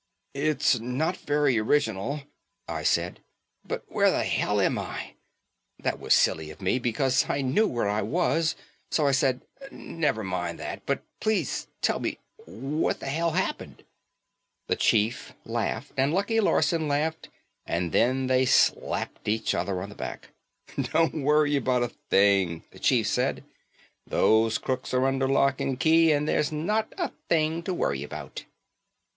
"It's not very original," I said, "but where the hell am I?" That was silly of me because I knew where I was, so I said: "Never mind that but please tell me what the hell happened?" The chief laughed and Lucky Larson laughed and then they slapped each other on the back. "Don't worry about a thing," the chief said, "those crooks are under lock and key and there's not a thing to worry about."